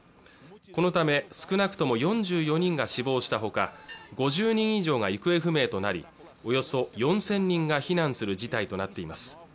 このため少なくとも４４人が死亡したほか５０人以上が行方不明となりおよそ４０００人が避難する事態となっています